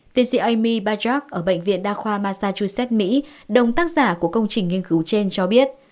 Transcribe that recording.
tiến sĩ ami bajak ở bệnh viện đa khoa massachusett mỹ đồng tác giả của công trình nghiên cứu trên cho biết